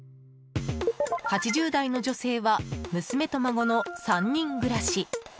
８０代の女性は娘と孫の３人暮らし。